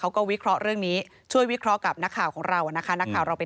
เขาก็วิเคราะห์เรื่องนี้ช่วยวิเคราะห์กับนักข่าวของเรานะคะ